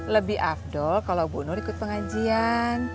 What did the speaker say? lebih afdol kalau ibu nur ikut pengajian